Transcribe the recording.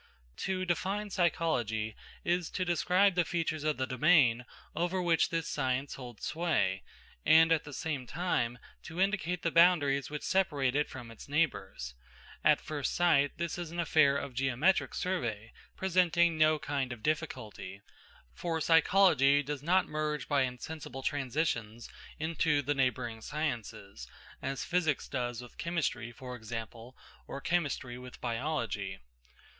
To define psychology is to describe the features of the domain over which this science holds sway, and at the same time to indicate the boundaries which separate it from its neighbours. At first sight this is an affair of geometric survey, presenting no kind of difficulty; for psychology does not merge by insensible transitions into the neighbouring sciences, as physics does with chemistry, for example, or chemistry with biology.